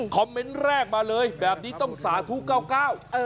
คอมเม้นต์แรกมาเลยแบบนี้ต้องสาธุเก่า